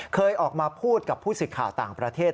เคยออกมาพูดกับผู้สื่อข่าวต่างประเทศ